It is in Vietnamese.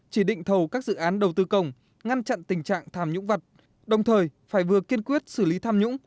chỉ định thầu các dự án đầu tư công ngăn chặn tình trạng tham nhũng vật đồng thời phải vừa kiên quyết xử lý tham nhũng